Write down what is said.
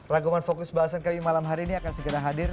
raguman fokus bahasan kami malam hari ini akan segera hadir